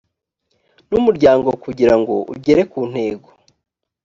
n umuryango kugira ngo ugere ku ntego